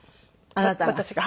あなたが？